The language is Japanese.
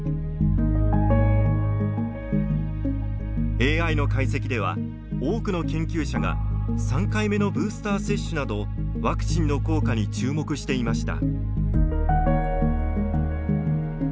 ＡＩの解析では、多くの研究者が３回目のブースター接種などワクチンの効果に注目していました。